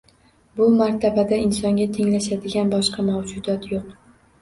Bu martabada insonga tenglashadigan boshqa mavjudot yo'q.